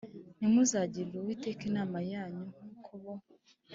Ntimuzagirire uwiteka imana yanyu nk uko bo